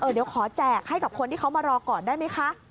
เดี๋ยวขอแจกให้กับคนที่เขามารอก่อนได้ไหมคะ